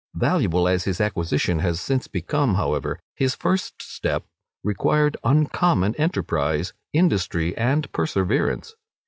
Valuable as his acquisition has since become, however, his first step required uncommon enterprise, industry, and perseverance.